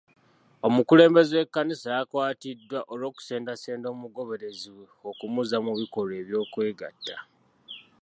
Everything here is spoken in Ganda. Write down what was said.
Omukulembeze w'ekkanisa yakwatiddwa olw'okusendasenda omugoberezi we okumuzza mu bikolwa eby'okwegatta.